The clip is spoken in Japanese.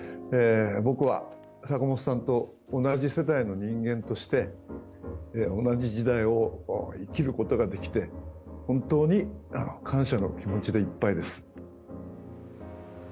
僕は、坂本さんと同じ世代の人間として同じ時代を生きることができて本当に感謝の気持ちでいっぱいです。